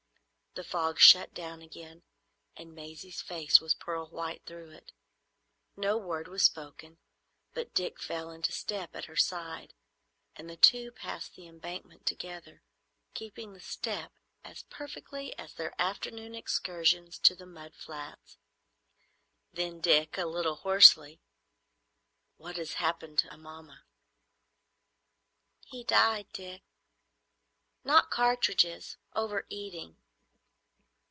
The fog shut down again, and Maisie's face was pearl white through it. No word was spoken, but Dick fell into step at her side, and the two paced the Embankment together, keeping the step as perfectly as in their afternoon excursions to the mud flats. Then Dick, a little hoarsely—"What has happened to Amomma?" "He died, Dick. Not cartridges; over eating.